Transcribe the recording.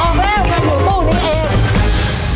ออกแล้วยังอยู่ตู้นี้เอง